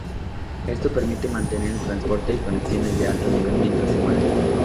Esto permite mantener el transporte y conexiones de alto nivel mientras se mueve.